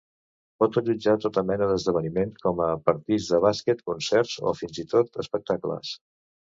Pot allotjar tota mena d'esdeveniments, com partits de bàsquet, concerts o fins i tot espectacles.